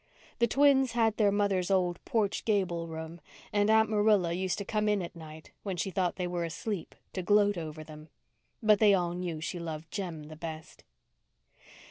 The twins had their mother's old porch gable room, and Aunt Marilla used to come in at night, when she thought they were asleep, to gloat over them. But they all knew she loved Jem the best.